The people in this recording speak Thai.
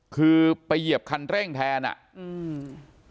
คือไปเหยียบคันเร่งแทนอ่ะอืม